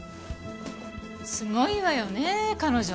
すごいわよねえ彼女。